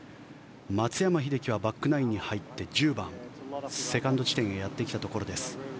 松山英樹はバックナインに入って１０番セカンド地点へやってきたところです。